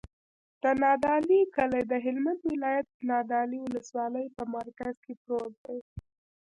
د نادعلي کلی د هلمند ولایت، نادعلي ولسوالي په مرکز کې پروت دی.